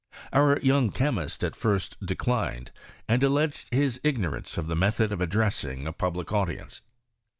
Our young chemist at first declined, and alleged his ignorance of the method of addressing a public audience.